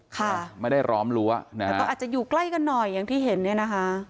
ค่ะไม่ได้ร้อมรั้วนะฮะแล้วก็อาจจะอยู่ใกล้กันหน่อยอย่างที่เห็นเนี่ยนะคะ